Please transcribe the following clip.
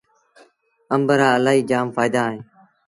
آݩب رآ الهيٚ جآم ڦآئيدآ اوهيݩ۔